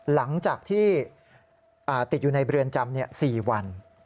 หลังจากที่ติดอยู่ในเรือนจำ๔วัน